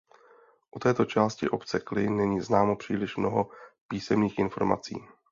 O této části obce Kly není známo příliš mnoho písemných informací.